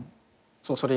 そう。